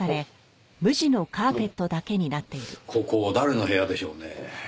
ここ誰の部屋でしょうねぇ？